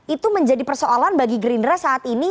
itu menjadi persoalan bagi gerindra saat ini